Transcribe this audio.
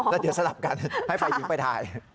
แล้วเดี๋ยวสลับกันให้ฝ่ายหญิงไปถ่าย